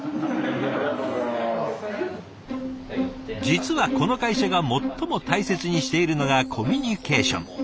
実はこの会社が最も大切にしているのがコミュニケーション。